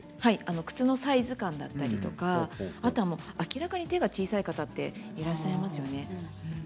靴のサイズ感だったり明らかに手が小さい方っていらっしゃいますよね。